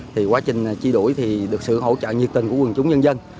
thì quá trình chi đuổi thì được sự hỗ trợ nhiệt tình của quân chúng nhân dân